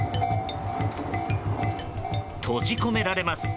閉じ込められます。